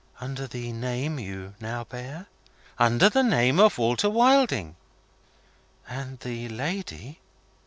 "Under the name you now bear?" "Under the name of Walter Wilding." "And the lady